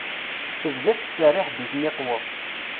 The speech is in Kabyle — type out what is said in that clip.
Tebda tettserriḥ-d i tmiqwa.